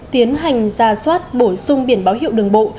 tiến hành ra soát bổ sung biển báo hiệu đường bộ